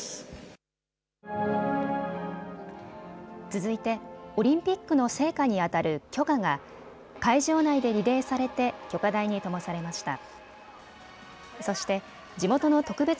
続いてオリンピックの聖火にあたる炬火が会場内でリレーされて炬火台にともされました。